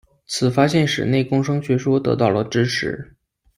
此发现使内共生学说得到了支持。